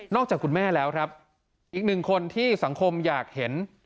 จากคุณแม่แล้วครับอีกหนึ่งคนที่สังคมอยากเห็น